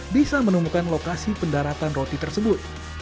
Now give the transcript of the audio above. bisa menemukan lokasi pendaratan roti tersebut